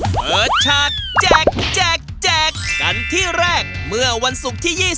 เปิดฉากแจกแจกกันที่แรกเมื่อวันศุกร์ที่๒๐